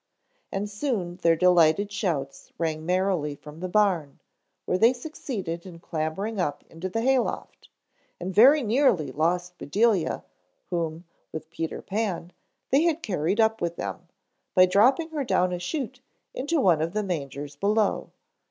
And soon their delighted shouts rang merrily from the barn, where they succeeded in clambering up into the hay loft and very nearly lost Bedelia whom, with Peter Pan, they had carried up with them, by dropping her down a chute into one of the mangers below.